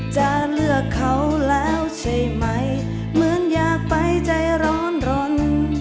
จะเลือกเขาแล้วใช่ไหมเหมือนอยากไปใจร้อนรน